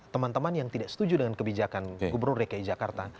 teman teman yang tidak setuju dengan kebijakan gubernur dki jakarta